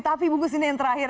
tapi bungkus ini yang terakhir